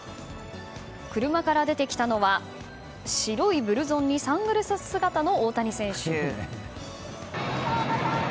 車から出てきたのは白いブルゾンにサングラス姿の大谷選手。